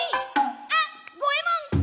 「あ、ごえもん！